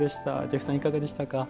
ジェフさんいかがでしたか？